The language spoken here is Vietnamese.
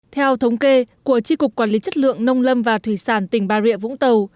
theo thống kê của tri cục quản lý chất lượng nông lâm và thủy sản tỉnh bà rịa vũng tàu